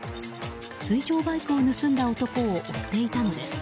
水上バイクを盗んだ男を追っていたのです。